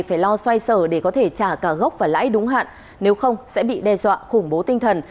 phải lo xoay sở để có thể trả cả gốc và lãi đúng hạn nếu không sẽ bị đe dọa khủng bố tinh thần